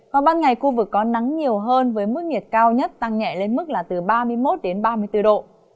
vào ban ngày khu vực có nắng nhiều hơn với mức nhiệt cao nhất tăng nhẹ lên mức là từ ba mươi một đến ba mươi bốn độ